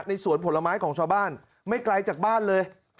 สวนผลไม้ของชาวบ้านไม่ไกลจากบ้านเลย